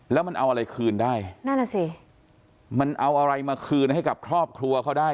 แล้วมันเอาอะไรคืนได้มันเอาอะไรมาคืนให้กับทอบครัวเขาได้